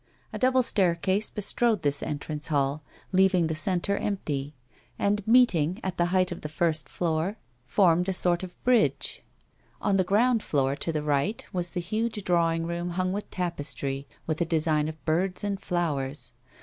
A double staircase bestrode this entrance hall leaving the centre empty, and, meeting at the height of the first floor, A WOMAN'S LIFE. 13 formed a sort of bridge. On the ground floor, to the right, was the huge drawing room hung with tapestry with a design of birds and flowers.